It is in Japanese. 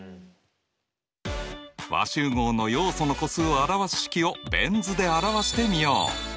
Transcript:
和集合の要素の個数を表す式をベン図で表してみよう。